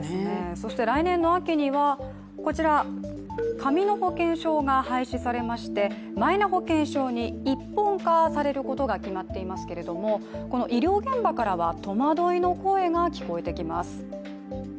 そして来年の秋には、紙の保険証が廃止されましてマイナ保険証に一本化されることが決まっていますけれども、医療現場からは戸惑いの声が聞こえてきます。